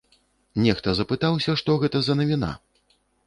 Нехта запытаўся, што гэта за навіна.